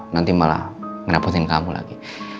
nanti malah nge rapetin kamu lagi